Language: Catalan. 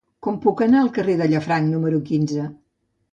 Com puc anar al carrer de Llafranc número quinze?